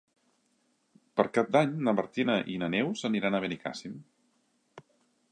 Per Cap d'Any na Martina i na Neus aniran a Benicàssim.